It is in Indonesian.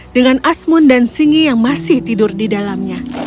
dengan asmun dan singi yang masih tidur di dalamnya